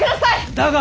だが！